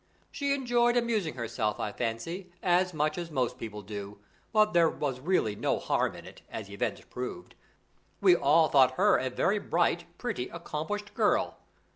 She enjoyed amusing herself, I fancy, as much as most people do, but there was really no harm in it, as events proved. We all thought her a very bright, pretty, accomplished girl.